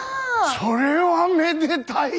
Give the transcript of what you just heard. それはめでたい！